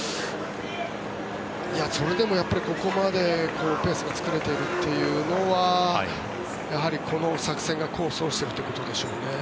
それでもここまでペースを作れているというのはやはりこの作戦が功を奏しているということでしょうね。